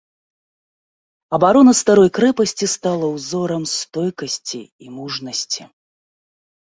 Абарона старой крэпасці стала ўзорам стойкасці і мужнасці.